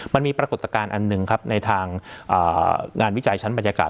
ปรากฏการณ์อันหนึ่งครับในทางงานวิจัยชั้นบรรยากาศ